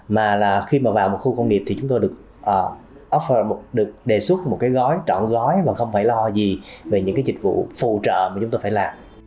mà là khi mà vào một khu công nghiệp thì chúng tôi được đề xuất một cái gói trọn gói và không phải lo gì về những cái dịch vụ phù trợ mà chúng tôi phải làm